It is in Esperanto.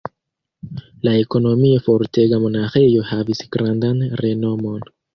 La ekonomie fortega monaĥejo havis grandan renomon.